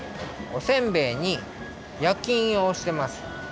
おせんべいにやきいんをおしてます。